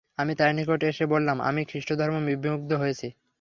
আমি তার নিকট এসে বললাম, আমি খৃষ্টধর্মে বিমুগ্ধ হয়েছি।